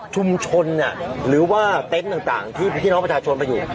ชุมชนเนี้ยหรือว่าเต็นต์ต่างต่างที่ที่น้องประชาชนไปอยู่